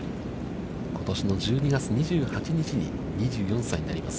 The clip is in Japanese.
ことしの１２月２８日に２４歳になります。